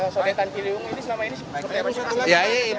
sodetan pilihung ini selama ini